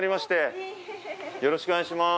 よろしくお願いします。